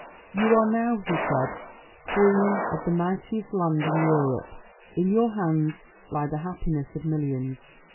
"You are now," he said, "Queen of the mightiest land in Europe. In your hands lie the happiness of millions.